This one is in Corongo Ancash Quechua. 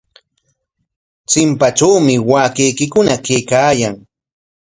Chimpatrawmi waakaykikuna kaykaayan.